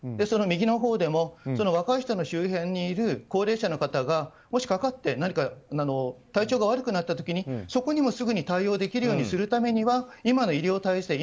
その右のほうでも若い人の周辺にいる高齢者の方がもし、かかって体調が悪くなった時にそこにすぐ対応するためには今の医療体制